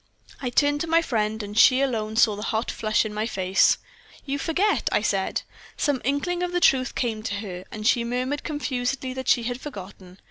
"I turned to my friend, and she alone saw the hot flush on my face. "'You forget,' I said. "Some inkling of the truth came to her, and she murmured confusedly that she had forgotten.